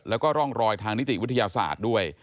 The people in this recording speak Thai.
แล้วก็ร่องรอยทางนิติวิทยาศาสตร์ด้วย